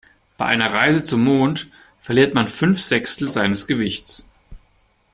Bei einer Reise zum Mond verliert man fünf Sechstel seines Gewichts.